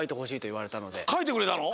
かいてくれたの？